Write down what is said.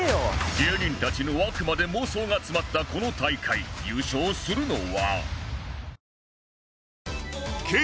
芸人たちのあくまで妄想が詰まったこの大会優勝するのは？